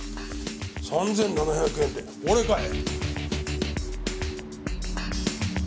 ３７００円って俺かい？